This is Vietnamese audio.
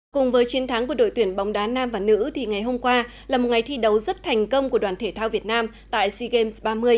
cùng với chiến thắng của đội tuyển bóng đá nam và nữ thì ngày hôm qua là một ngày thi đấu rất thành công của đoàn thể thao việt nam tại sea games ba mươi